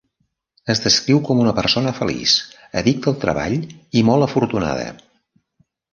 Es descriu com una persona feliç addicta al treball i molt afortunada.